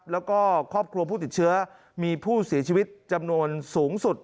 แล้วก็ครอบครัวผู้ติดเชื้อมีผู้เสียชีวิตจำนวนสูงสุด